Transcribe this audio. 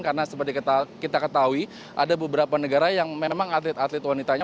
karena seperti kita ketahui ada beberapa negara yang memang atlet atlet wanitanya